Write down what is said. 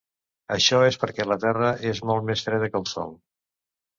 Això és perquè la terra és molt més freda que el sol.